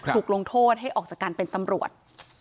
ลงโทษให้ออกจากการเป็นตำรวจ